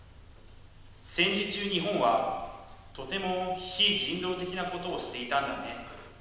戦時中日本はとても非人道的なことをしていたんだね